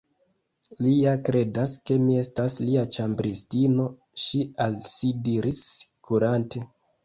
“Li ja kredas ke mi estas lia ĉambristino,” ŝi al si diris, kurante.